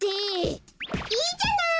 いいじゃない。